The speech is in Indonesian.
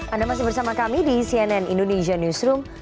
anda masih bersama kami di cnn indonesia newsroom